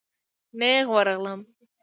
نېغ ورغلم.